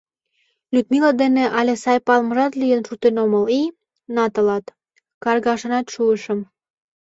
Людмила дене але сайын палымыжат лийын шуктен омыл и — на тылат! — каргашенат шуышым.